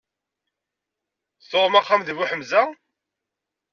Tuɣem axxam deg Buḥemza?